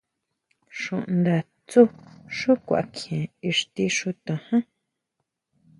Xúʼndatsú xú kuakjien ixti xúto ján.